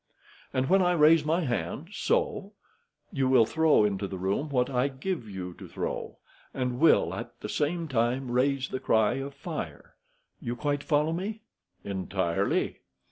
"And when I raise my hand—so—you will throw into the room what I give you to throw, and will, at the same time, raise the cry of fire. You quite follow me?" "Entirely."